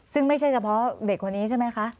ซึ่งไม่ใช่เฉพาะเด็กคนนี้ใช่ไหมคะ